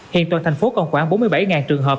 hiện toàn thành phố còn khoảng bốn mươi bảy trường hợp